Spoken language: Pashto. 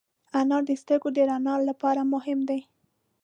انار د سترګو د رڼا لپاره مهم دی.